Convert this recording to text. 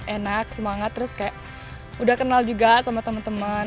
enak semangat terus kayak udah kenal juga sama teman teman